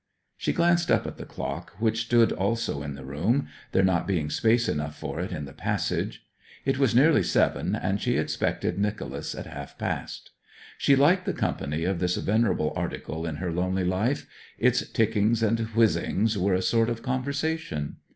She glanced up at the clock, which stood also in this room, there not being space enough for it in the passage. It was nearly seven, and she expected Nicholas at half past. She liked the company of this venerable article in her lonely life: its tickings and whizzings were a sort of conversation.